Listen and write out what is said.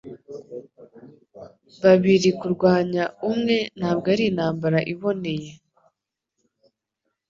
Babiri kurwanya umwe ntabwo ari intambara iboneye